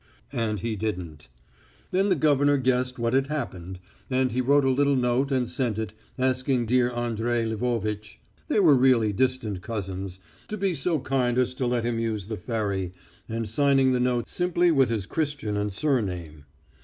And he didn't. Then the Governor guessed what had happened, and he wrote a little note and sent it, asking dear Andrey Lvovitch they were really distant cousins to be so kind as to let him use the ferry, and signing the note simply with his Christian and surname.